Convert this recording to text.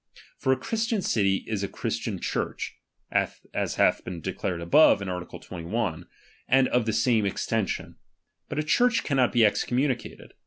For a Christian city is a Christian Church, (as hath been declared above, in art. 21), and of the same extension ; but a Church cannot be excommunicated.